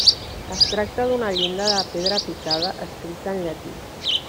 Es tracta d'una llinda de pedra picada escrita en llatí.